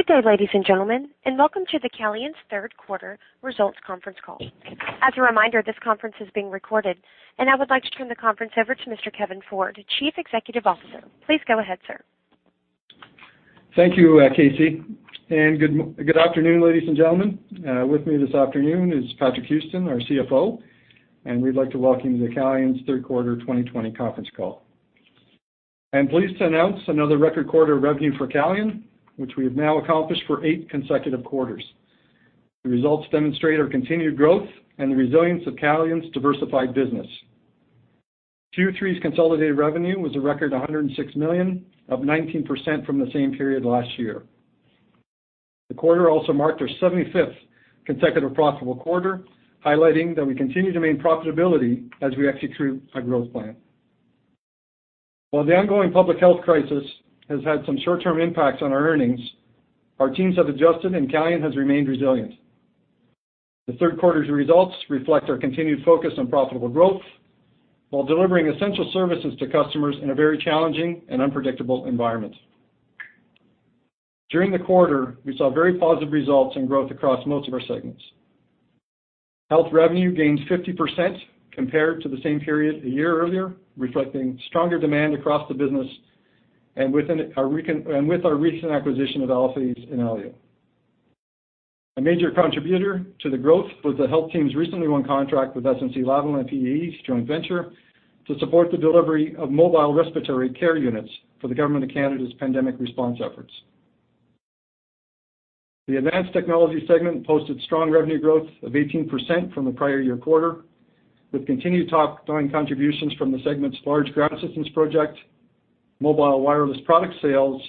Good day, ladies and gentlemen, and welcome to the Calian's third quarter results conference call. As a reminder, this conference is being recorded, and I would like to turn the conference over to Mr. Kevin Ford, Chief Executive Officer. Please go ahead, sir. Thank you, Casey. Good afternoon, ladies and gentlemen. With me this afternoon is Patrick Houston, our CFO, and we'd like to welcome you to Calian's third quarter 2020 conference call. I'm pleased to announce another record quarter of revenue for Calian, which we have now accomplished for eight consecutive quarters. The results demonstrate our continued growth and the resilience of Calian's diversified business. Q3's consolidated revenue was a record 106 million, up 19% from the same period last year. The quarter also marked our 75th consecutive profitable quarter, highlighting that we continue to maintain profitability as we execute our growth plan. While the ongoing public health crisis has had some short-term impacts on our earnings, our teams have adjusted, and Calian has remained resilient. The third quarter's results reflect our continued focus on profitable growth while delivering essential services to customers in a very challenging and unpredictable environment. During the quarter, we saw very positive results and growth across most of our segments. Health revenue gained 50% compared to the same period a year earlier, reflecting stronger demand across the business and with our recent acquisition of AllPhase and Alio. A major contributor to the growth was the health team's recently won contract with SNC-Lavalin PAE Joint Venture to support the delivery of mobile respiratory care units for the Government of Canada's pandemic response efforts. The advanced technology segment posted strong revenue growth of 18% from the prior year quarter, with continued top-line contributions from the segment's large ground systems project, mobile wireless product sales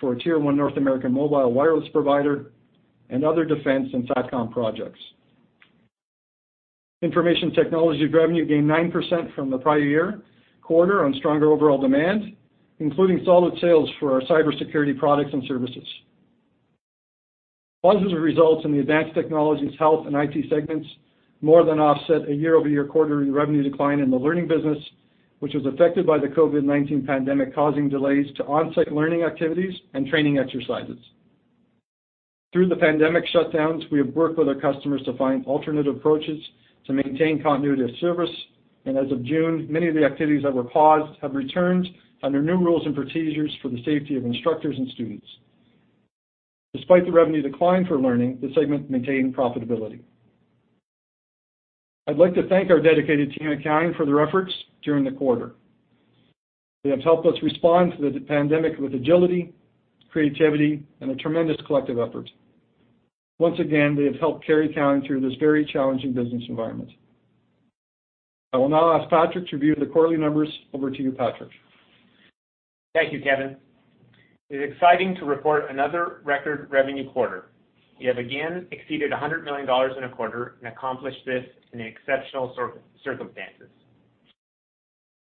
for a tier-1 North American mobile wireless provider, and other defense and SATCOM projects. Information technology revenue gained 9% from the prior year quarter on stronger overall demand, including solid sales for our cybersecurity products and services. Positive results in the advanced technologies health and IT segments more than offset a year-over-year quarterly revenue decline in the learning business, which was affected by the COVID-19 pandemic, causing delays to on-site learning activities and training exercises. Through the pandemic shutdowns, we have worked with our customers to find alternative approaches to maintain continuity of service, and as of June, many of the activities that were paused have returned under new rules and procedures for the safety of instructors and students. Despite the revenue decline for learning, the segment maintained profitability. I'd like to thank our dedicated team at Calian for their efforts during the quarter. They have helped us respond to the pandemic with agility, creativity, and a tremendous collective effort. Once again, they have helped carry Calian through this very challenging business environment. I will now ask Patrick to review the quarterly numbers. Over to you, Patrick. Thank you, Kevin. It is exciting to report another record revenue quarter. We have again exceeded 100 million dollars in a quarter and accomplished this in exceptional circumstances.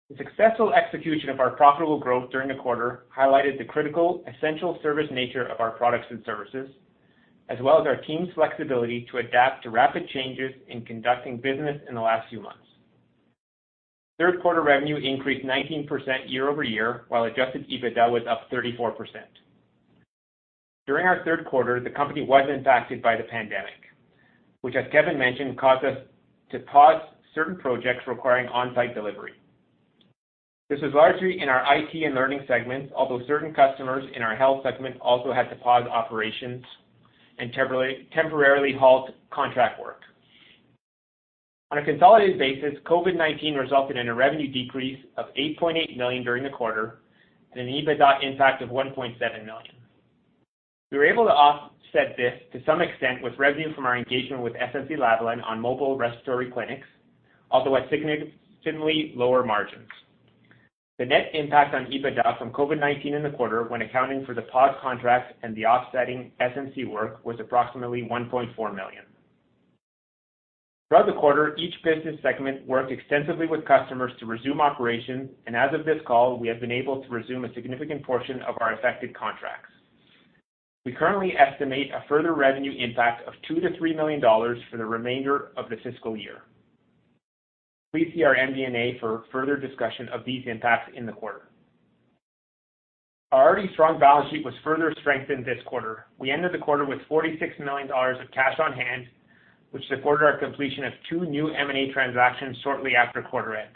The successful execution of our profitable growth during the quarter highlighted the critical, essential service nature of our products and services, as well as our team's flexibility to adapt to rapid changes in conducting business in the last few months. Third quarter revenue increased 19% year-over-year, while Adjusted EBITDA was up 34%. During our third quarter, the company was impacted by the pandemic, which, as Kevin mentioned, caused us to pause certain projects requiring on-site delivery. This was largely in our IT and learning segments, although certain customers in our health segment also had to pause operations and temporarily halt contract work. On a consolidated basis, COVID-19 resulted in a revenue decrease of 8.8 million during the quarter and an EBITDA impact of 1.7 million. We were able to offset this to some extent with revenue from our engagement with SNC-Lavalin on mobile respiratory clinics, although at significantly lower margins. The net impact on EBITDA from COVID-19 in the quarter, when accounting for the paused contracts and the offsetting SNC work, was approximately 1.4 million. Throughout the quarter, each business segment worked extensively with customers to resume operations, and as of this call, we have been able to resume a significant portion of our affected contracts. We currently estimate a further revenue impact of 2 million-3 million dollars for the remainder of the fiscal year. Please see our MD&A for further discussion of these impacts in the quarter. Our already strong balance sheet was further strengthened this quarter. We ended the quarter with 46 million dollars of cash on hand, which supported our completion of two new M&A transactions shortly after quarter end.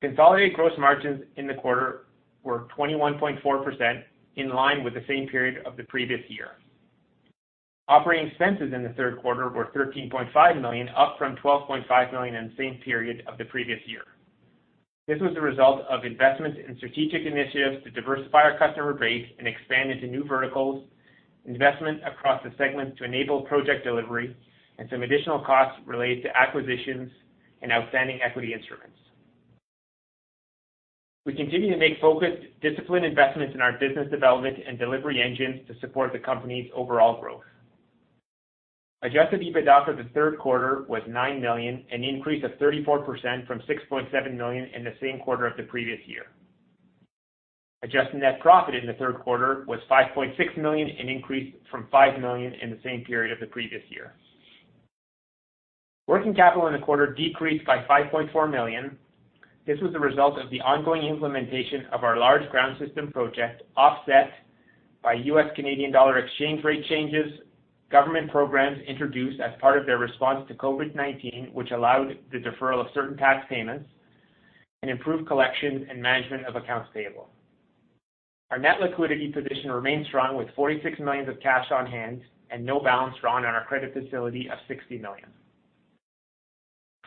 Consolidated gross margins in the quarter were 21.4%, in line with the same period of the previous year. Operating expenses in the third quarter were 13.5 million, up from 12.5 million in the same period of the previous year. This was the result of investments in strategic initiatives to diversify our customer base and expand into new verticals, investment across the segments to enable project delivery, and some additional costs related to acquisitions and outstanding equity instruments. We continue to make focused, disciplined investments in our business development and delivery engines to support the company's overall growth. Adjusted EBITDA for the third quarter was 9 million, an increase of 34% from 6.7 million in the same quarter of the previous year. Adjusted net profit in the third quarter was 5.6 million, an increase from 5 million in the same period of the previous year. Working capital in the quarter decreased by 5.4 million. This was the result of the ongoing implementation of our large ground system project, offset by U.S. Canadian dollar exchange rate changes, government programs introduced as part of their response to COVID-19, which allowed the deferral of certain tax payments, and improved collection and management of accounts payable. Our net liquidity position remains strong with 46 million of cash on hand and no balance drawn on our credit facility of 60 million.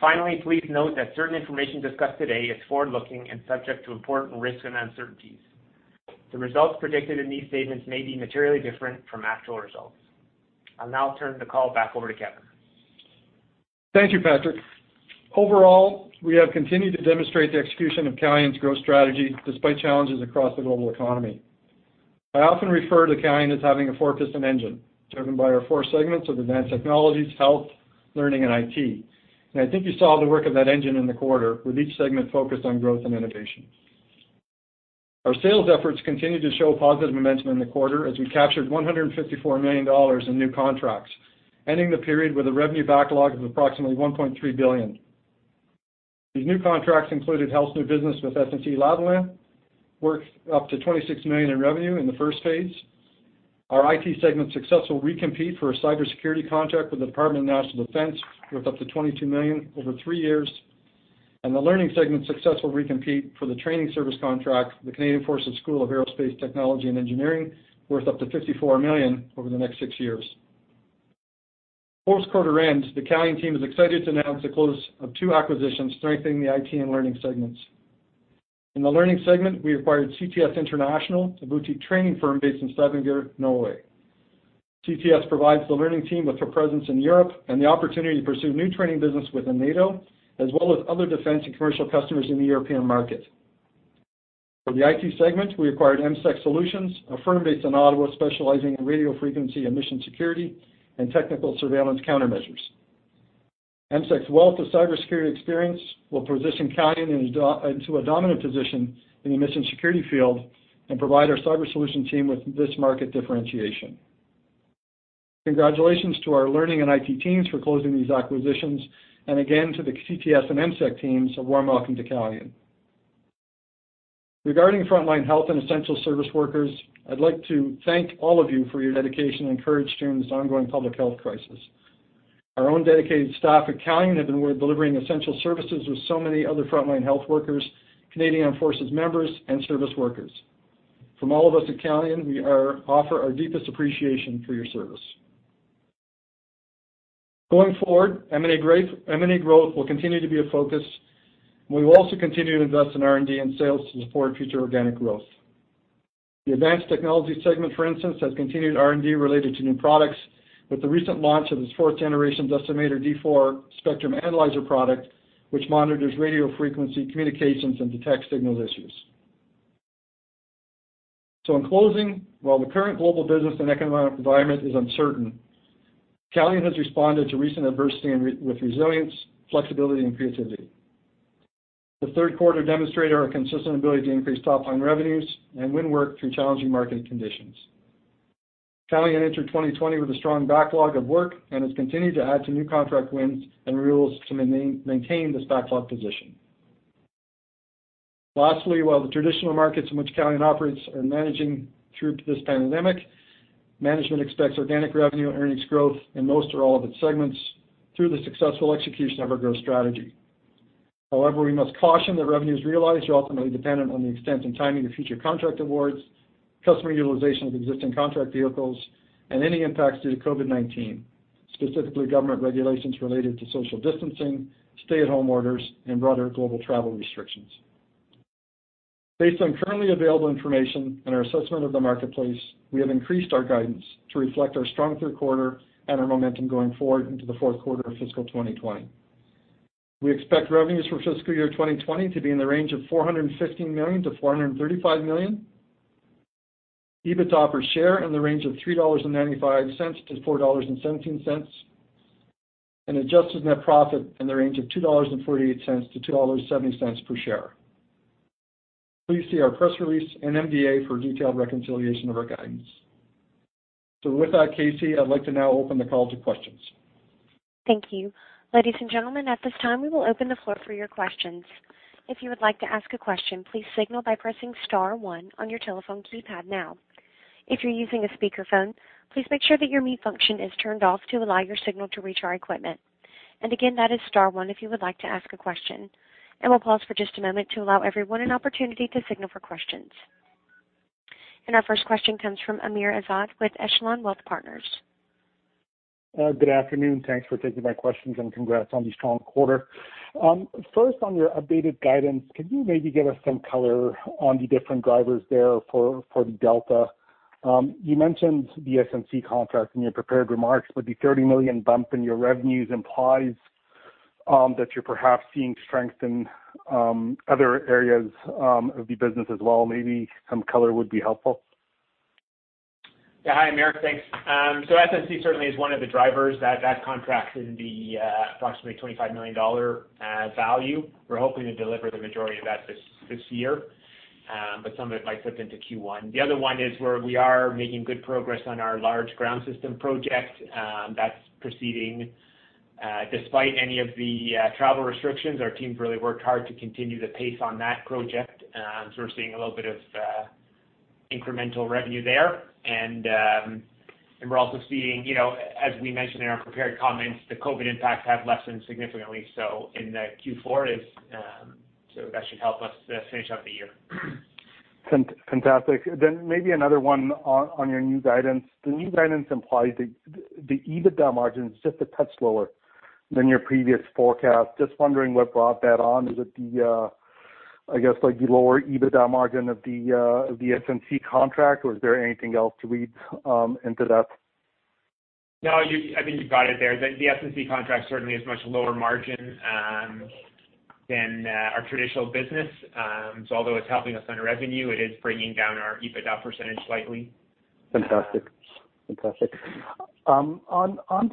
Finally, please note that certain information discussed today is forward-looking and subject to important risks and uncertainties. The results predicted in these statements may be materially different from actual results. I'll now turn the call back over to Kevin. Thank you, Patrick. Overall, we have continued to demonstrate the execution of Calian's growth strategy despite challenges across the global economy. I often refer to Calian as having a four-piston engine, driven by our four segments of Advanced Technologies, Health, Learning, and IT. I think you saw the work of that engine in the quarter, with each segment focused on growth and innovation. Our sales efforts continued to show positive momentum in the quarter as we captured 154 million dollars in new contracts, ending the period with a revenue backlog of approximately 1.3 billion. These new contracts included Health new business with SNC-Lavalin, worth up to 26 million in revenue in the first phase. Our IT segment successful recompete for a cybersecurity contract with the Department of National Defence, worth up to 22 million over three years. The learning segment's successful recompete for the training service contract with the Canadian Forces School of Aerospace Technology and Engineering, worth up to 54 million over the next six years. Before this quarter ends, the Calian team is excited to announce the close of two acquisitions strengthening the IT and learning segments. In the learning segment, we acquired CTS International, a boutique training firm based in Stavanger, Norway. CTS provides the learning team with a presence in Europe and the opportunity to pursue new training business within NATO, as well as other defense and commercial customers in the European market. For the IT segment, we acquired EMSEC Solutions, a firm based in Ottawa specializing in radio frequency emission security and technical surveillance countermeasures. EMSEC's wealth of cybersecurity experience will position Calian into a dominant position in the emission security field and provide our cyber solution team with this market differentiation. Congratulations to our learning and IT teams for closing these acquisitions, and again, to the CTS and EMSEC teams, a warm welcome to Calian. Regarding frontline health and essential service workers, I'd like to thank all of you for your dedication and courage during this ongoing public health crisis. Our own dedicated staff at Calian have been delivering essential services with so many other frontline health workers, Canadian Armed Forces members, and service workers. From all of us at Calian, we offer our deepest appreciation for your service. Going forward, M&A growth will continue to be a focus. We will also continue to invest in R&D and sales to support future organic growth. The Advanced Technologies segment, for instance, has continued R&D related to new products with the recent launch of its fourth generation Decimator D4 spectrum analyzer product, which monitors radio frequency communications and detects signal issues. In closing, while the current global business and economic environment is uncertain, Calian has responded to recent adversity with resilience, flexibility, and creativity. The third quarter demonstrated our consistent ability to increase top-line revenues and win work through challenging market conditions. Calian entered 2020 with a strong backlog of work and has continued to add to new contract wins and renewals to maintain this backlog position. Lastly, while the traditional markets in which Calian operates are managing through this pandemic, management expects organic revenue and earnings growth in most or all of its segments through the successful execution of our growth strategy. However, we must caution that revenues realized are ultimately dependent on the extent and timing of future contract awards, customer utilization of existing contract vehicles, and any impacts due to COVID-19, specifically government regulations related to social distancing, stay-at-home orders, and broader global travel restrictions. Based on currently available information and our assessment of the marketplace, we have increased our guidance to reflect our strong third quarter and our momentum going forward into the fourth quarter of fiscal 2020. We expect revenues for fiscal year 2020 to be in the range of 415 million-435 million, EBITDA per share in the range of 3.95-4.17 dollars, and adjusted net profit in the range of 2.48-2.70 dollars per share. Please see our press release and MD&A for a detailed reconciliation of our guidance. With that, Casey, I'd like to now open the call to questions. Thank you. Ladies and gentlemen, at this time, we will open the floor for your questions. If you would like to ask a question, please signal by pressing star one on your telephone keypad now. If you're using a speakerphone, please make sure that your mute function is turned off to allow your signal to reach our equipment. Again, that is star one if you would like to ask a question. We'll pause for just a moment to allow everyone an opportunity to signal for questions. Our first question comes from Amr Ezzat with Echelon Wealth Partners. Good afternoon. Thanks for taking my questions, and congrats on the strong quarter. On your updated guidance, could you maybe give us some color on the different drivers there for the delta? You mentioned the SNC contract in your prepared remarks, the 30 million bump in your revenues implies that you're perhaps seeing strength in other areas of the business as well. Maybe some color would be helpful. Yeah. Hi, Amr. Thanks. SNC certainly is one of the drivers. That contract is approximately 25 million dollar value. We're hoping to deliver the majority of that this year. Some of it might slip into Q1. The other one is where we are making good progress on our large ground system project. That's proceeding despite any of the travel restrictions. Our team's really worked hard to continue the pace on that project. We're seeing a little bit of incremental revenue there. We're also seeing, as we mentioned in our prepared comments, the COVID impacts have lessened significantly. In Q4, that should help us finish up the year. Fantastic. Maybe another one on your new guidance. The new guidance implies the EBITDA margin is just a touch lower than your previous forecast. Just wondering what brought that on. Is it the, I guess, the lower EBITDA margin of the SNC contract? Is there anything else to read into that? No, I think you've got it there. The SNC contract certainly is much lower margin than our traditional business. Although it's helping us on revenue, it is bringing down our EBITDA percentage slightly. Fantastic. On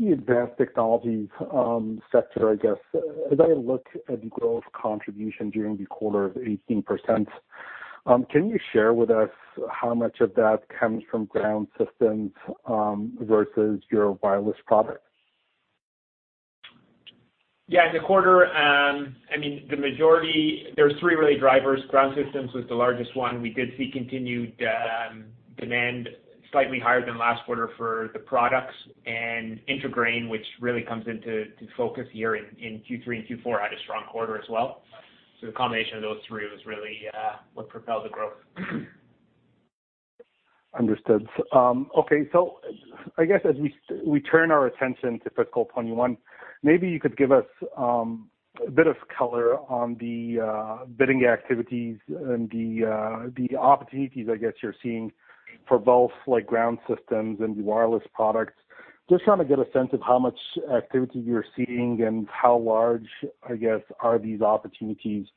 the Advanced Technologies sector, I guess, as I look at the growth contribution during the quarter of 18%, can you share with us how much of that comes from ground systems versus your wireless products? In the quarter, there were three really drivers. Ground systems was the largest one. We did see continued demand slightly higher than last quarter for the products, and IntraGrain, which really comes into focus here in Q3 and Q4, had a strong quarter as well. The combination of those three was really what propelled the growth. Understood. Okay, I guess as we turn our attention to fiscal 2021, maybe you could give us a bit of color on the bidding activities and the opportunities, I guess, you're seeing for both ground systems and the wireless products. Just trying to get a sense of how much activity you're seeing and how large, I guess, are these opportunities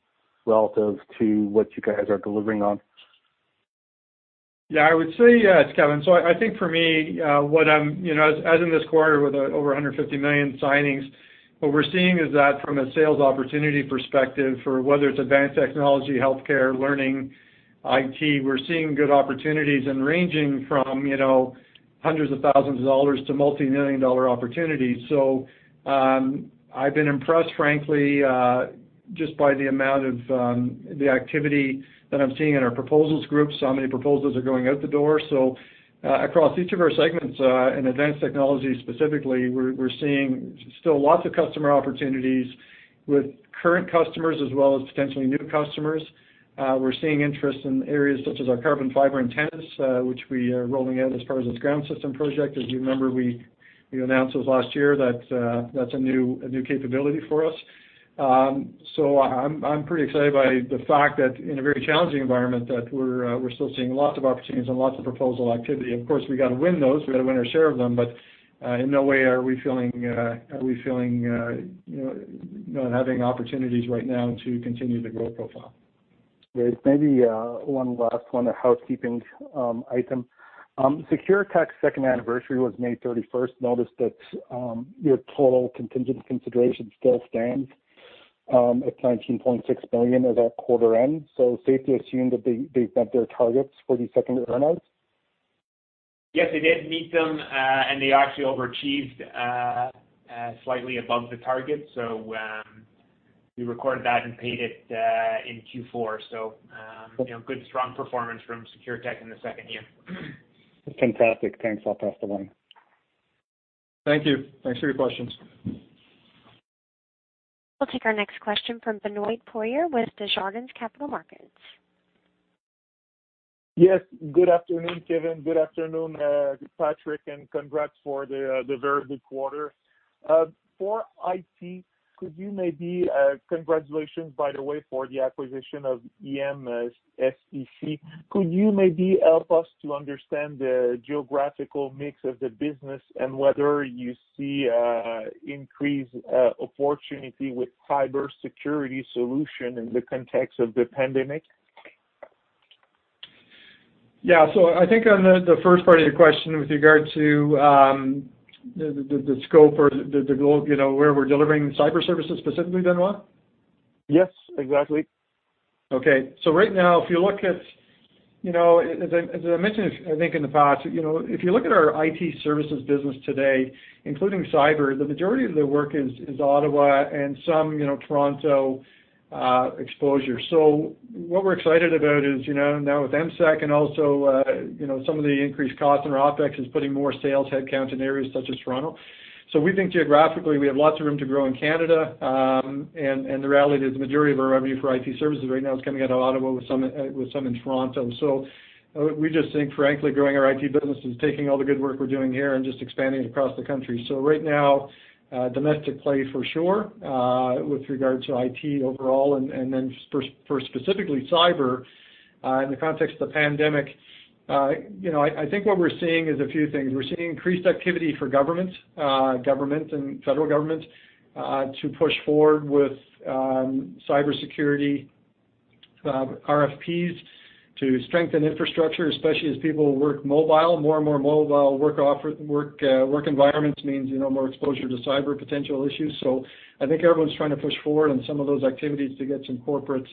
relative to what you guys are delivering on. I would say, it's Kevin. I think for me, as in this quarter with over 150 million signings, what we're seeing is that from a sales opportunity perspective for whether it's Advanced Technologies, Health, Learning, IT, we're seeing good opportunities and ranging from hundreds of thousands of CAD to multi-million CAD opportunities. I've been impressed, frankly, just by the amount of the activity that I'm seeing in our proposals group. Many proposals are going out the door. Across each of our segments, in Advanced Technologies specifically, we're seeing still lots of customer opportunities with current customers as well as potentially new customers. We're seeing interest in areas such as our carbon fiber antennas, which we are rolling out as far as this ground system project. As you remember, we announced this last year, that's a new capability for us. I'm pretty excited by the fact that in a very challenging environment, that we're still seeing lots of opportunities and lots of proposal activity. Of course, we got to win those. We've got to win our share of them, but in no way are we feeling not having opportunities right now to continue the growth profile. Great. Maybe one last one, a housekeeping item. SecureTech's second anniversary was May 31st. Noticed that your total contingent consideration still stands at 19.6 million at that quarter end. Safe to assume that they've met their targets for the second earnouts? Yes, they did meet them, and they actually overachieved slightly above the target. We recorded that and paid it in Q4. Good strong performance from SecureTech in the second year. Fantastic. Thanks. I'll pass the line. Thank you. Thanks for your questions. We'll take our next question from Benoit Poirier with Desjardins Capital Markets. Yes. Good afternoon, Kevin. Good afternoon, Patrick. Congrats for the very good quarter. For IT, congratulations, by the way, for the acquisition of EMSEC. Could you maybe help us to understand the geographical mix of the business and whether you see increased opportunity with cybersecurity solution in the context of the pandemic? Yeah. I think on the first part of your question with regard to the scope or where we're delivering cyber services specifically, Benoit? Yes, exactly. Okay. Right now, as I mentioned, I think in the past, if you look at our IT services business today, including cyber, the majority of the work is Ottawa and some Toronto exposure. What we're excited about is, now with EMSEC and also some of the increased costs in our OpEx is putting more sales headcount in areas such as Toronto. We think geographically, we have lots of room to grow in Canada. The reality is the majority of our revenue for IT services right now is coming out of Ottawa with some in Toronto. We just think, frankly, growing our IT business is taking all the good work we're doing here and just expanding it across the country. Right now, domestic play for sure, with regard to IT overall, then for specifically cyber, in the context of the pandemic, I think what we're seeing is a few things. We're seeing increased activity for government and Government of Canada, to push forward with cybersecurity RFPs to strengthen infrastructure, especially as people work mobile. More and more mobile work environments means more exposure to cyber potential issues. I think everyone's trying to push forward on some of those activities to get some corporate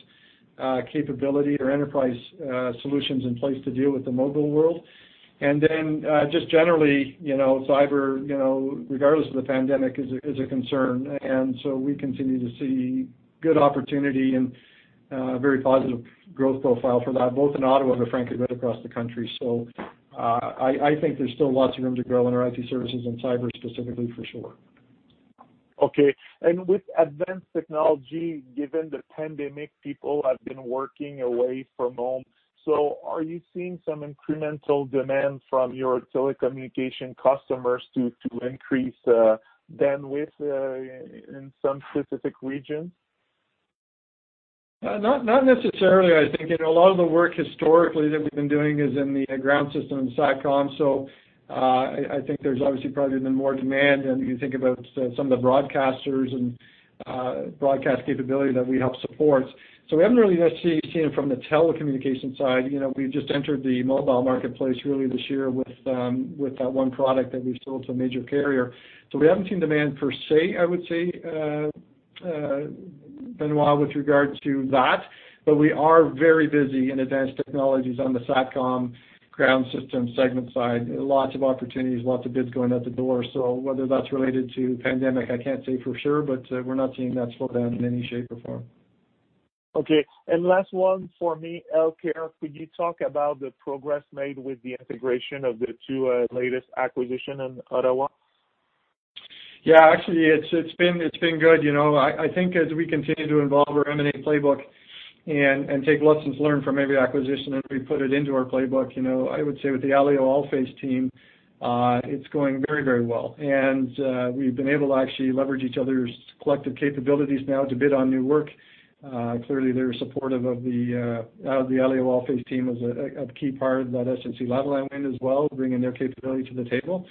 capability or enterprise solutions in place to deal with the mobile world. Then just generally, cyber, regardless of the pandemic, is a concern. So we continue to see good opportunity and a very positive growth profile for that, both in Ottawa, but frankly, right across the country. I think there's still lots of room to grow in our IT services and cyber specifically, for sure. Okay. With advanced technology, given the pandemic, people have been working away from home. Are you seeing some incremental demand from your telecommunication customers to increase bandwidth in some specific regions? Not necessarily. I think a lot of the work historically that we've been doing is in the ground system and SATCOM. I think there's obviously probably been more demand, and you think about some of the broadcasters and broadcast capability that we help support. We haven't really necessarily seen it from the telecommunication side. We've just entered the mobile marketplace really this year with that one product that we've sold to a major carrier. We haven't seen demand per se, I would say, Benoit, with regards to that. We are very busy in Advanced Technologies on the SATCOM ground system segment side. Lots of opportunities, lots of bids going out the door. Whether that's related to pandemic, I can't say for sure, but we're not seeing that slow down in any shape or form. Okay. Last one for me, healthcare. Could you talk about the progress made with the integration of the two latest acquisition in Ottawa? Yeah, actually, it's been good. I think as we continue to evolve our M&A playbook and take lessons learned from every acquisition as we put it into our playbook, I would say with the Alio AllPhase team, it's going very well. We've been able to actually leverage each other's collective capabilities now to bid on new work. Clearly, they're supportive of the Alio AllPhase team as a key part of that SNC-Lavalin win as well, bringing their capability to the table.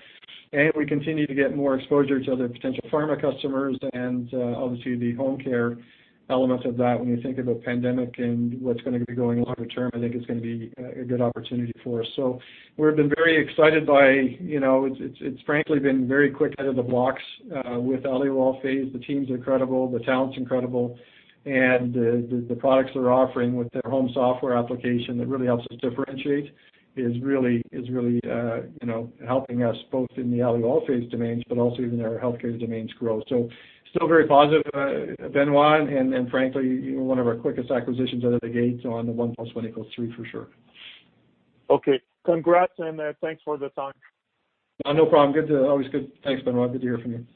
We continue to get more exposure to other potential pharma customers and obviously the home care elements of that. When you think of a pandemic and what's going to be going longer term, I think it's going to be a good opportunity for us. We've been very excited by, it's frankly been very quick out of the blocks with Alio AllPhase. The teams are incredible, the talent's incredible, and the products they're offering with their home software application that really helps us differentiate is really helping us both in the Alio AllPhase domains, but also in our healthcare domains growth. Still very positive, Benoit, and frankly, one of our quickest acquisitions out of the gate on the one plus one equals three, for sure. Okay. Congrats and thanks for the time. No problem. Always good. Thanks, Benoit. Good to hear from you.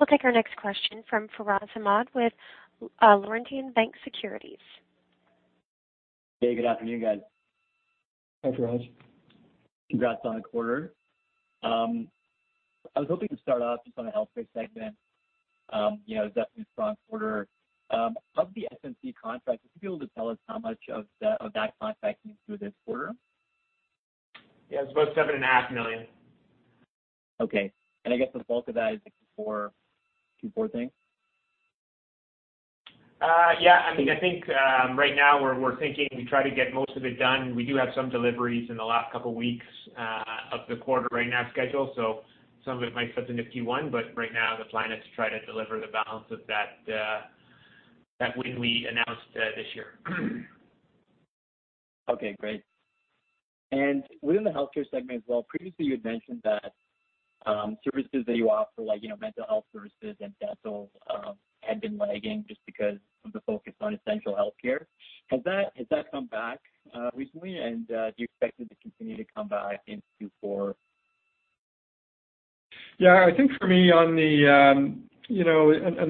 We'll take our next question from Furaz Ahmad with Laurentian Bank Securities. Hey, good afternoon, guys. Hi, Furaz. Congrats on the quarter. I was hoping to start off just on the healthcare segment. Definitely a strong quarter. Of the SNC contract, would you be able to tell us how much of that contract came through this quarter? Yeah, it's about 7.5 Million. Okay. I guess the bulk of that is Q4 things? Yeah, I think right now we're thinking we try to get most of it done. We do have some deliveries in the last couple weeks of the quarter right now scheduled, so some of it might slip into Q1, but right now the plan is to try to deliver the balance of that win we announced this year. Okay, great. Within the healthcare segment as well, previously you had mentioned that services that you offer, like mental health services and dental, had been lagging just because of the focus on essential healthcare. Has that come back recently, and do you expect it to continue to come back in Q4? Yeah, I think for me on the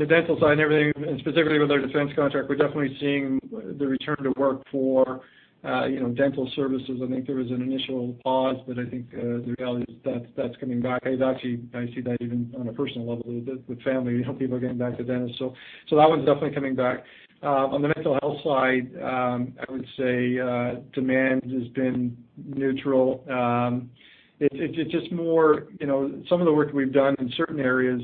dental side and everything. Specifically with our defense contract, we're definitely seeing the return to work for dental services. I think there was an initial pause. I think the reality is that's coming back. Actually, I see that even on a personal level with family, people are getting back to dentists. That one's definitely coming back. On the mental health side, I would say demand has been neutral. It's just more some of the work we've done in certain areas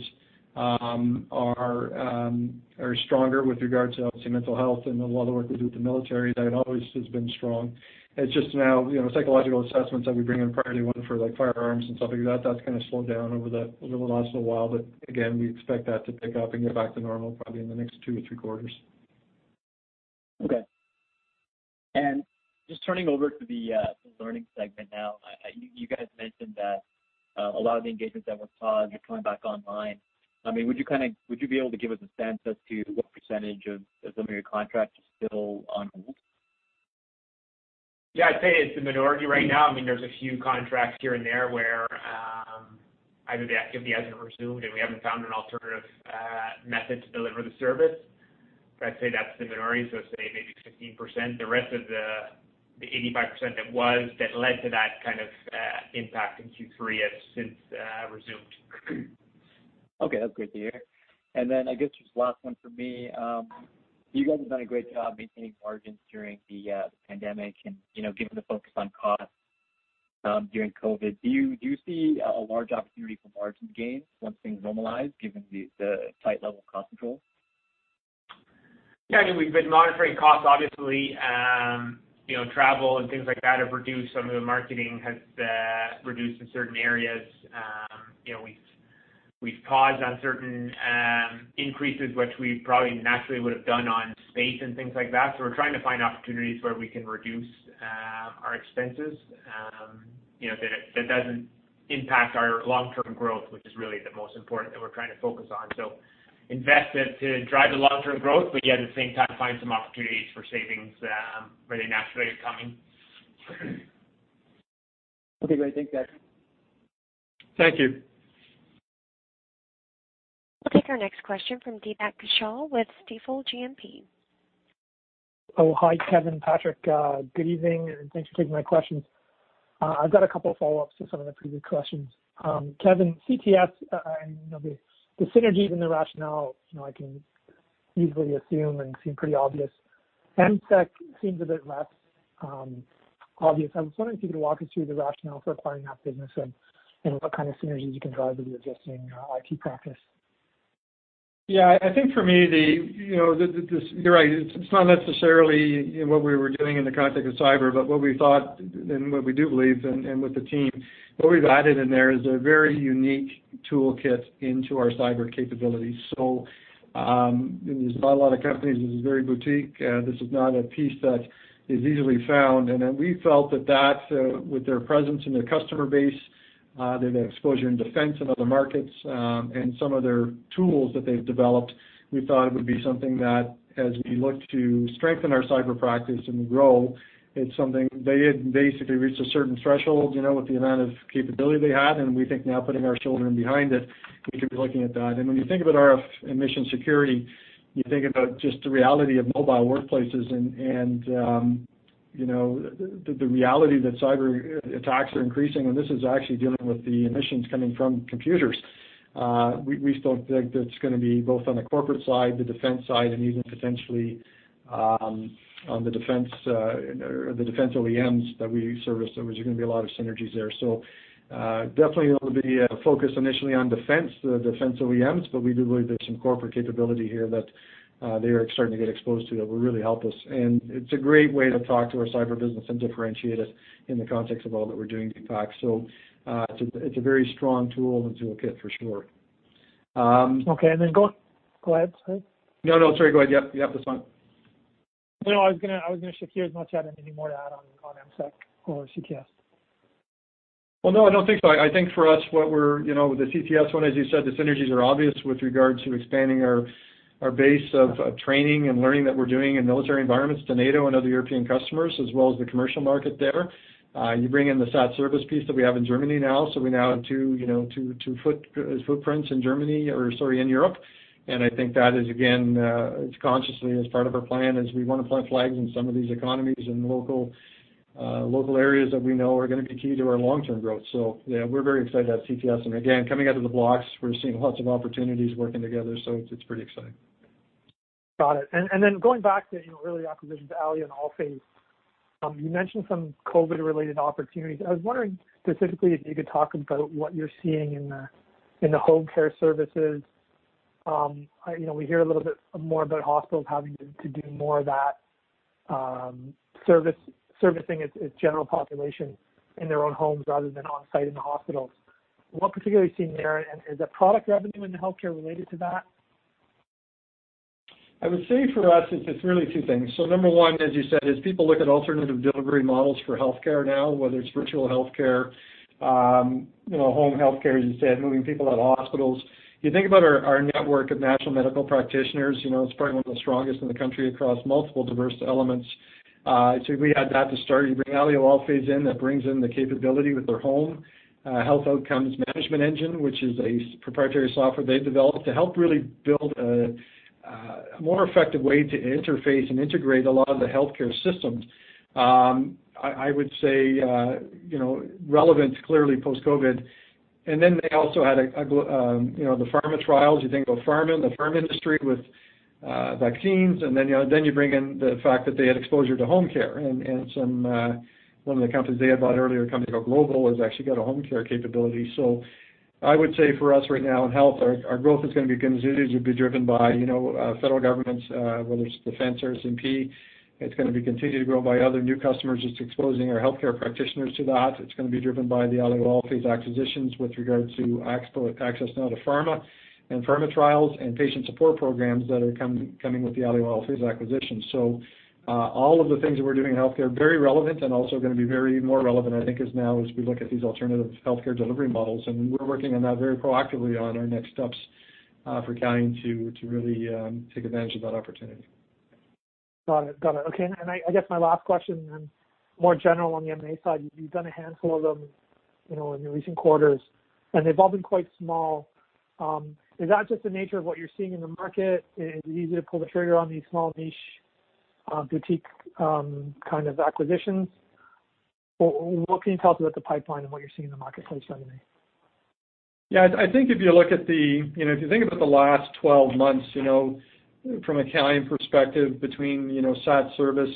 are stronger with regards to, obviously, mental health and a lot of the work we do with the military, that always has been strong. It's just now psychological assessments that we bring in prior to one for firearms and stuff like that's kind of slowed down over the last little while, but again, we expect that to pick up and get back to normal probably in the next two or three quarters. Okay. Just turning over to the learning segment now. You guys mentioned that a lot of the engagements that were paused are coming back online. Would you be able to give us a sense as to what % of some of your contracts are still on hold? Yeah, I'd say it's the minority right now. There's a few contracts here and there where either the activity hasn't resumed or we haven't found an alternative method to deliver the service, but I'd say that's the minority, so I'd say maybe 15%. The rest of the 85% that led to that kind of impact in Q3 has since resumed. Okay, that's good to hear. I guess just last one from me. You guys have done a great job maintaining margins during the pandemic and given the focus on cost during COVID. Do you see a large opportunity for margin gains once things normalize given the tight level of cost control? We've been monitoring costs, obviously. Travel and things like that have reduced. Some of the marketing has reduced in certain areas. We've paused on certain increases, which we probably naturally would have done on space and things like that. We're trying to find opportunities where we can reduce our expenses that doesn't impact our long-term growth, which is really the most important that we're trying to focus on. Invest it to drive the long-term growth, but yet, at the same time, find some opportunities for savings where they naturally are coming. Okay, great. Thanks, guys. Thank you. We'll take our next question from Deepak Kaushal with Stifel GMP. Hi, Kevin, Patrick. Good evening, and thanks for taking my questions. I've got a couple of follow-ups to some of the previous questions. Kevin, CTS and the synergies and the rationale, I can easily assume and seem pretty obvious. EMSEC seems a bit less obvious. I was wondering if you could walk us through the rationale for acquiring that business and what kind of synergies you can drive with your existing IT practice. I think for me, you're right. It's not necessarily what we were doing in the context of cyber, but what we thought and what we do believe, and with the team, what we've added in there is a very unique toolkit into our cyber capabilities. There's not a lot of companies. This is very boutique. This is not a piece that is easily found. We felt that, with their presence and their customer base, their exposure in defense and other markets, and some of their tools that they've developed, we thought it would be something that as we look to strengthen our cyber practice and grow, it's something they had basically reached a certain threshold, with the amount of capability they had, and we think now putting our shoulder in behind it, we could be looking at that. When you think about RF emission security, you think about just the reality of mobile workplaces and the reality that cyber attacks are increasing, and this is actually dealing with the emissions coming from computers. We still think that it's going to be both on the corporate side, the defense side, and even potentially on the defense OEMs that we service. There was going to be a lot of synergies there. Definitely it'll be a focus initially on defense, the defense OEMs, but we do believe there's some corporate capability here that they are starting to get exposed to that will really help us. It's a great way to talk to our cyber business and differentiate us in the context of all that we're doing, Deepak. It's a very strong tool and toolkit for sure. Okay, then go ahead, sorry. No, no, sorry, go ahead. Yep, that's fine. No, I was going to secure as much, Adam, any more to add on EMSEC or CTS? Well, no, I don't think so. I think for us, with the CTS one, as you said, the synergies are obvious with regards to expanding our base of training and learning that we're doing in military environments to NATO and other European customers, as well as the commercial market there. You bring in the SatService piece that we have in Germany now, so we now have two footprints in Germany, or sorry, in Europe. I think that is, again, it's consciously as part of our plan, as we want to plant flags in some of these economies and local areas that we know are going to be key to our long-term growth. Yeah, we're very excited to have CTS. Again, coming out of the blocks, we're seeing lots of opportunities working together, so it's pretty exciting. Got it. Then going back to your early acquisitions, Alio and AllPhase. You mentioned some COVID-related opportunities. I was wondering specifically if you could talk about what you're seeing in the home care services. We hear a little bit more about hospitals having to do more of that servicing its general population in their own homes rather than on-site in the hospitals. What particularly are you seeing there? Is that product revenue in the healthcare related to that? I would say for us, it's really two things. Number one, as you said, is people look at alternative delivery models for healthcare now, whether it's virtual healthcare, home healthcare, as you said, moving people out of hospitals. You think about our network of national medical practitioners, it's probably one of the strongest in the country across multiple diverse elements. You bring Alio and AllPhase in, that brings in the capability with their home health outcomes management engine, which is a proprietary software they've developed to help really build a more effective way to interface and integrate a lot of the healthcare systems. I would say relevant clearly post-COVID. Then they also had the pharma trials. You think of the pharma industry with vaccines, then you bring in the fact that they had exposure to home care and one of the companies they had bought earlier, a company called Global, has actually got a home care capability. I would say for us right now in health, our growth is going to be driven by federal governments, whether it's defense or SMP. It's going to be continued to grow by other new customers just exposing our healthcare practitioners to that. It's going to be driven by the Alio and AllPhase acquisitions with regard to access now to pharma and pharma trials and patient support programs that are coming with the Alio and AllPhase acquisitions. All of the things that we're doing in healthcare, very relevant and also going to be very more relevant, I think, as now as we look at these alternative healthcare delivery models. We're working on that very proactively on our next steps for Calian to really take advantage of that opportunity. Got it. Okay, I guess my last question then, more general on the M&A side. You've done a handful of them in your recent quarters, and they've all been quite small. Is that just the nature of what you're seeing in the market? Is it easy to pull the trigger on these small niche boutique kind of acquisitions? What can you tell us about the pipeline and what you're seeing in the marketplace today? Yeah, I think if you think about the last 12 months, from a Calian perspective, between SatService GmbH,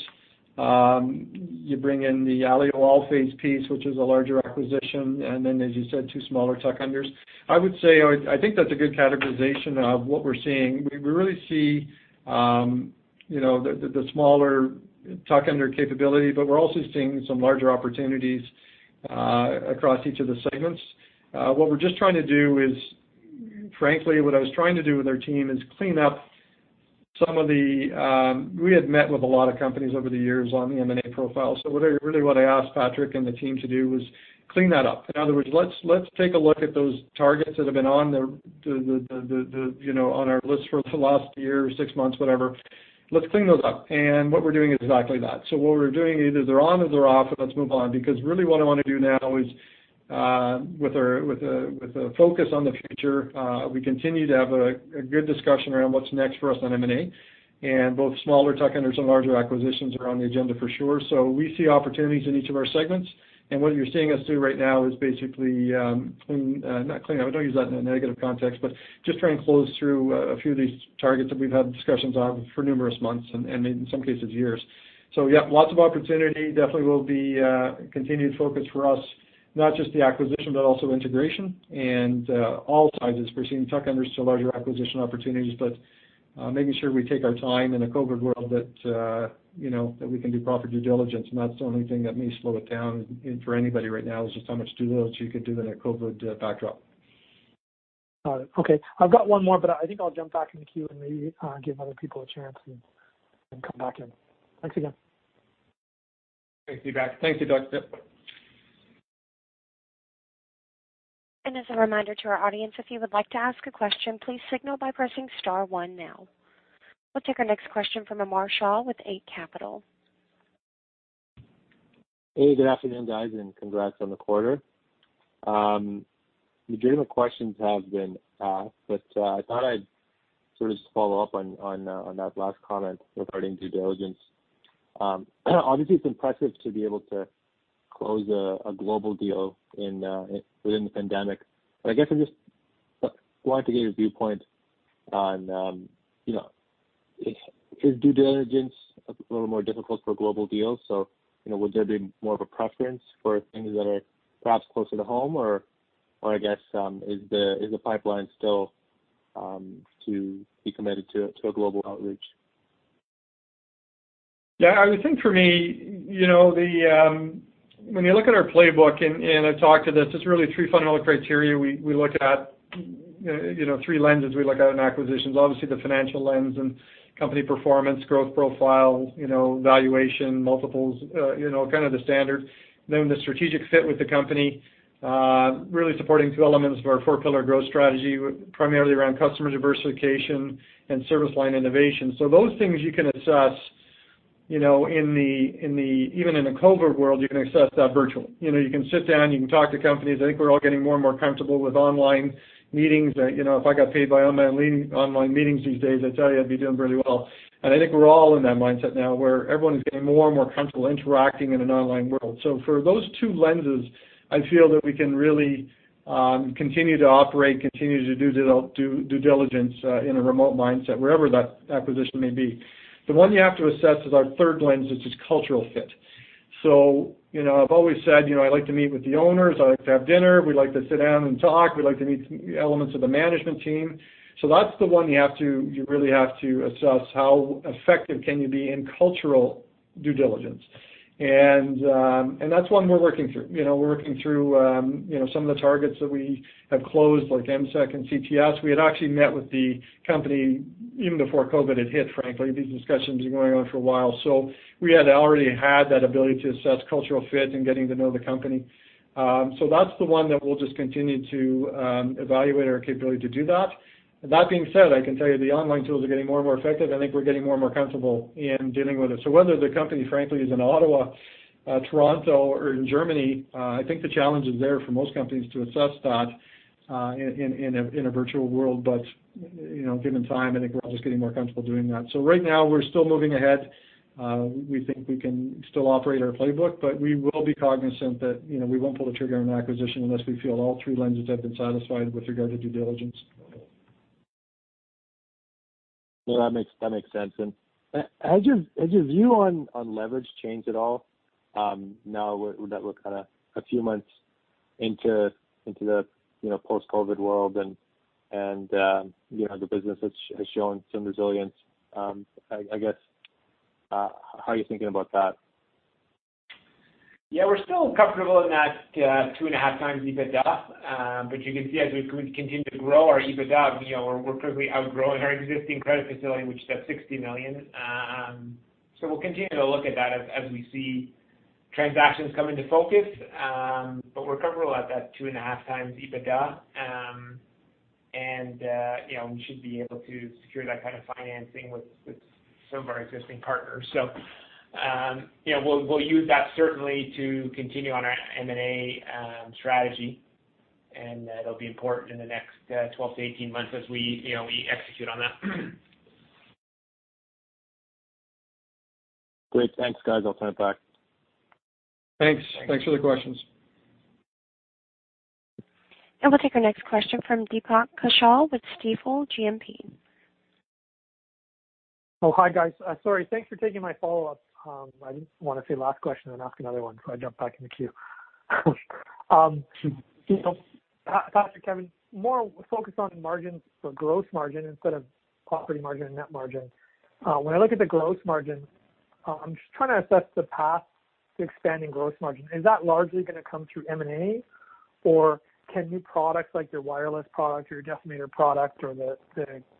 you bring in the Alio and AllPhase piece, which is a larger acquisition, and then, as you said, two smaller tuck-unders. I would say, I think that's a good categorization of what we're seeing. We really see the smaller tuck-under capability, but we're also seeing some larger opportunities across each of the segments. What we're just trying to do is, frankly, what I was trying to do with our team is clean up. We had met with a lot of companies over the years on the M&A profile. Really what I asked Patrick and the team to do was clean that up. In other words, let's take a look at those targets that have been on our list for the last year or six months, whatever. Let's clean those up. What we're doing is exactly that. What we're doing, either they're on or they're off, and let's move on. Really what I want to do now is, with a focus on the future, we continue to have a good discussion around what's next for us on M&A, and both smaller tuck-unders and larger acquisitions are on the agenda for sure. We see opportunities in each of our segments. What you're seeing us do right now is basically not clean out, I don't use that in a negative context, but just trying to close through a few of these targets that we've had discussions on for numerous months, and in some cases, years. Yeah, lots of opportunity, definitely will be a continued focus for us, not just the acquisition, but also integration and all sizes. We're seeing tuck-unders to larger acquisition opportunities, but making sure we take our time in a COVID world that we can do proper due diligence. That's the only thing that may slow it down. For anybody right now, is just how much due diligence you can do in a COVID backdrop. Got it. Okay. I've got one more, but I think I'll jump back in the queue and maybe give other people a chance and come back in. Thanks again. Thank you, Deepak. As a reminder to our audience, if you would like to ask a question, please signal by pressing star one now. We'll take our next question from Amar Shah with Eight Capital. Hey, good afternoon, guys, and congrats on the quarter. The majority of my questions have been asked, but I thought I'd sort of just follow up on that last comment regarding due diligence. Obviously, it's impressive to be able to close a global deal within the pandemic, but I guess I just wanted to get a viewpoint on, is due diligence a little more difficult for global deals? Would there be more of a preference for things that are perhaps closer to home? I guess, is the pipeline still to be committed to a global outreach? Yeah, I would think for me, when you look at our playbook and I've talked to this, it's really three fundamental criteria we look at, three lenses we look at in acquisitions. The financial lens and company performance, growth profile, valuation, multiples, kind of the standard. The strategic fit with the company, really supporting two elements of our four-pillar growth strategy, primarily around customer diversification and service line innovation. Those things you can assess even in a COVID-19 world, you can assess that virtually. You can sit down, you can talk to companies. I think we're all getting more and more comfortable with online meetings. If I got paid by online meetings these days, I tell you I'd be doing really well. I think we're all in that mindset now where everyone's getting more and more comfortable interacting in an online world. For those two lenses, I feel that we can really continue to operate, continue to do due diligence in a remote mindset, wherever that acquisition may be. The one you have to assess is our third lens, which is cultural fit. I've always said, I like to meet with the owners. I like to have dinner. We like to sit down and talk. We like to meet elements of the management team. That's the one you really have to assess how effective can you be in cultural due diligence. That's one we're working through. We're working through some of the targets that we have closed, like EMSEC and CTS. We had actually met with the company even before COVID had hit, frankly. These discussions have been going on for a while. We had already had that ability to assess cultural fit and getting to know the company. That's the one that we'll just continue to evaluate our capability to do that. That being said, I can tell you the online tools are getting more and more effective. I think we're getting more and more comfortable in dealing with it. Whether the company, frankly, is in Ottawa, Toronto, or in Germany, I think the challenge is there for most companies to assess that in a virtual world. Given time, I think we're all just getting more comfortable doing that. Right now, we're still moving ahead. We think we can still operate our playbook, but we will be cognizant that we won't pull the trigger on an acquisition unless we feel all three lenses have been satisfied with regard to due diligence. No, that makes sense. Has your view on leverage changed at all now that we're kind of a few months into the post-COVID world and the business has shown some resilience? I guess, how are you thinking about that? We're still comfortable in that two and a half times EBITDA. You can see as we continue to grow our EBITDA, we're currently outgrowing our existing credit facility, which is at 60 million. We'll continue to look at that as we see transactions come into focus. We're comfortable at that two and a half times EBITDA. We should be able to secure that kind of financing with some of our existing partners. We'll use that certainly to continue on our M&A strategy, and that'll be important in the next 12-18 months as we execute on that. Great. Thanks, guys. I'll turn it back. Thanks. Thanks for the questions. We'll take our next question from Deepak Kashyap with Stifel GMP. Hi, guys. Sorry. Thanks for taking my follow-up. I didn't want to say last question and ask another one, I jumped back in the queue. Patrick, Kevin, more focused on margins, gross margin instead of operating margin and net margin. When I look at the gross margin, I'm just trying to assess the path to expanding gross margin. Is that largely going to come through M&A? Can new products like your wireless product, your Decimator product, or the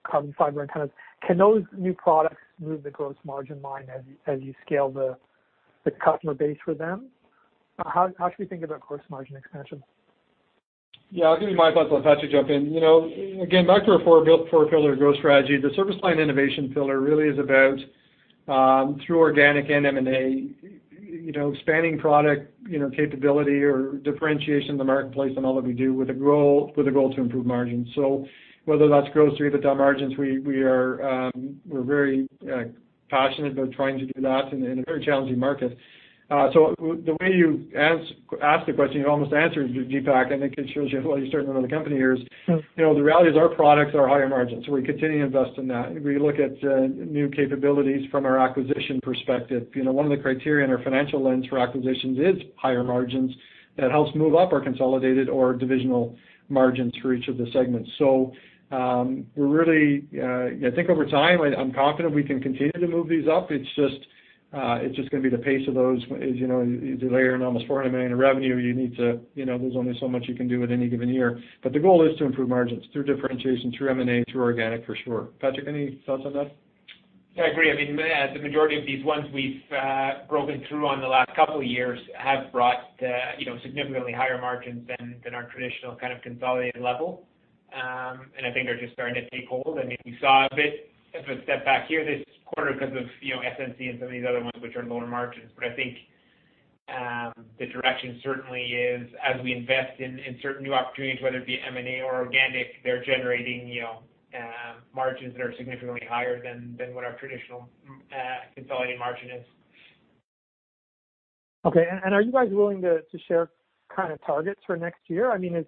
carbon fiber antennas, can those new products move the gross margin line as you scale the customer base for them? How should we think about gross margin expansion? I'll give you my thoughts, let Patrick jump in. Again, back to our four-pillar growth strategy, the service line innovation pillar really is about, through organic and M&A, expanding product capability or differentiation in the marketplace on all that we do with a goal to improve margins. Whether that's gross or EBITDA margins, we're very passionate about trying to do that in a very challenging market. The way you asked the question, you almost answered it, Deepak. I think it shows how well you certainly know the company here is, the reality is our products are higher margins. We continue to invest in that. We look at new capabilities from our acquisition perspective. One of the criteria in our financial lens for acquisitions is higher margins that helps move up our consolidated or divisional margins for each of the segments. I think over time, I'm confident we can continue to move these up. It's just going to be the pace of those as you layer in almost 400 million of revenue, there's only so much you can do at any given year. The goal is to improve margins through differentiation, through M&A, through organic, for sure. Patrick, any thoughts on that? Yeah, I agree. I mean, the majority of these ones we've broken through on the last couple of years have brought significantly higher margins than our traditional kind of consolidated level. I think they're just starting to take hold. I think you saw a bit of a step back here this quarter because of SNC and some of these other ones which are lower margins. I think the direction certainly is as we invest in certain new opportunities, whether it be M&A or organic, they're generating margins that are significantly higher than what our traditional consolidated margin is. Okay. Are you guys willing to share kind of targets for next year? I mean,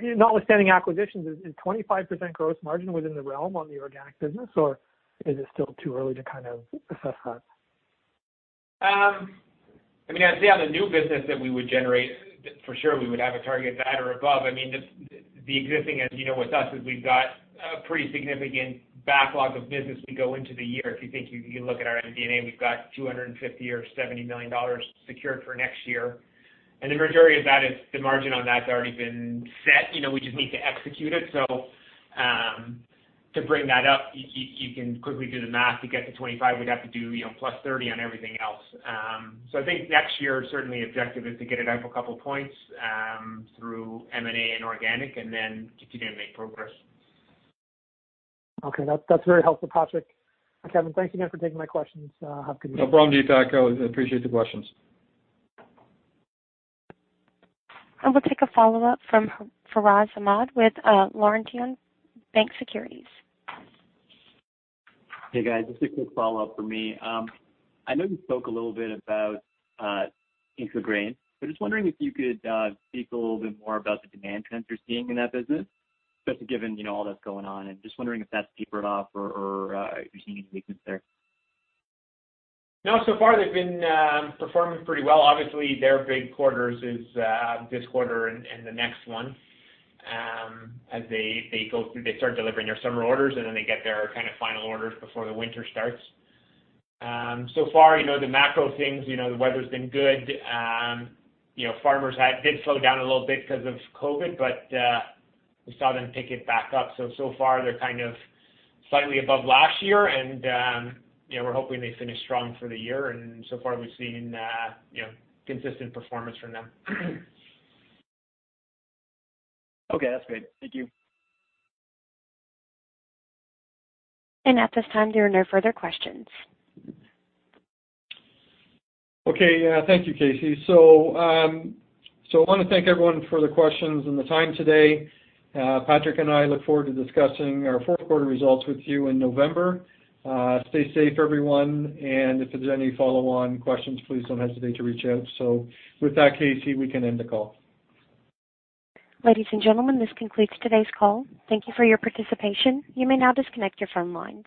notwithstanding acquisitions, is 25% gross margin within the realm on the organic business, or is it still too early to kind of assess that? I mean, I'd say on the new business that we would generate, for sure we would have a target at that or above. I mean, just the existing, as you know with us, is we've got a pretty significant backlog of business we go into the year. If you think, you can look at our M&A, we've got 250 million dollars or CAD 270 million secured for next year. The majority of that is the margin on that's already been set. We just need to execute it. To bring that up, you can quickly do the math. To get to 25, we'd have to do plus 30 on everything else. I think next year, certainly objective is to get it up a couple points through M&A and organic and then continue to make progress. Okay. That's very helpful, Patrick and Kevin. Thanks again for taking my questions. Have a good day. No problem, Deepak. I appreciate the questions. We'll take a follow-up from Furaz Ahmad with Laurentian Bank Securities. Hey, guys. Just a quick follow-up from me. I know you spoke a little bit about IntraGrain. Just wondering if you could speak a little bit more about the demand trends you're seeing in that business, especially given all that's going on, and just wondering if that's tapered off or if you're seeing any weakness there. No, so far they've been performing pretty well. Obviously, their big quarters is this quarter and the next one as they start delivering their summer orders, and then they get their kind of final orders before the winter starts. So far, the macro things, the weather's been good. Farmers did slow down a little bit because of COVID, but we saw them pick it back up. So far they're kind of slightly above last year and we're hoping they finish strong for the year. So far we've seen consistent performance from them. Okay. That's great. Thank you. At this time, there are no further questions. Okay. Thank you, Casey. I want to thank everyone for the questions and the time today. Patrick and I look forward to discussing our fourth quarter results with you in November. Stay safe, everyone, and if there's any follow-on questions, please don't hesitate to reach out. With that, Casey, we can end the call. Ladies and gentlemen, this concludes today's call. Thank you for your participation. You may now disconnect your phone lines.